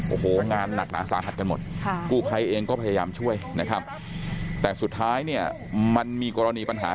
โอ้โหงานหนักหนาสาหัสกันหมดกู้ภัยเองก็พยายามช่วยนะครับแต่สุดท้ายเนี่ยมันมีกรณีปัญหา